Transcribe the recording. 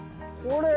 これ。